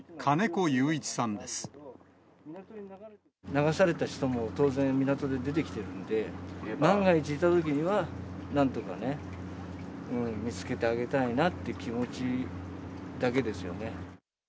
流された人も、当然、港で出てきてるので、万が一、いたときには、なんとかね、見つけてあげたいなって気持ちだけですよね。